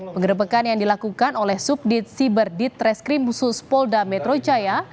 penggebrekan yang dilakukan oleh subdit siberdit trash cream khusus polda metro jaya